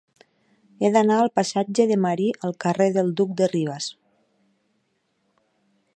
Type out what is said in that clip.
He d'anar del passatge de Marí al carrer del Duc de Rivas.